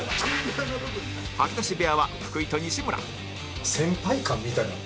吐き出し部屋は福井と西村